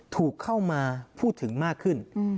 ถูกเข้ามาพูดถึงมากขึ้น